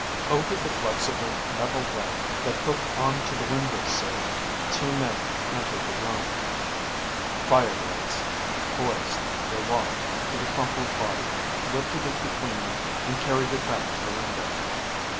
Over the flexible metal ramp that hooked onto the window sill two men entered the room. Fire blades poised, they walked to the crumpled body, lifted it between them, and carried it back to the window.